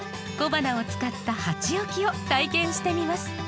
小花を使った鉢置きを体験してみます。